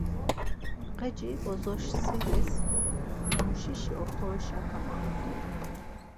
Ğeci bozo seris damuşişi oxorişa kamaxtu.